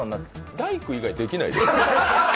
大工以外できない？